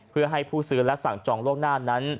เพื่อให้ผู้ซื้อและสั่งจองล่วงหน้านั้น